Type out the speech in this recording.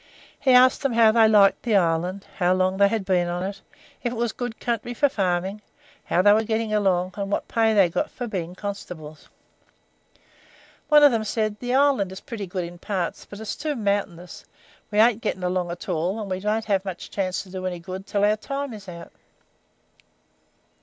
He asked them how they liked the island, how long they had been in it, if it was a good country for farming, how they were getting along, and what pay they got for being constables. One of them said: 'The island is pretty good in parts, but it's too mountaynyus; we ain't getting along at all, and we won't have much chance to do any good until our time is out.'